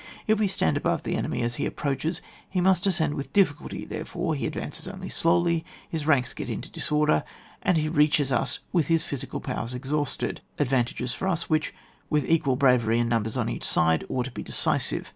If we stand above the enemy as he approaches, he must ascend with difficulty, therefore he advances only slowly, his ranks get into disorder, and he reaches us with his physical powers exhausted, advantages for us which, with equal bravery and numbers on each side, ought to be deci sive.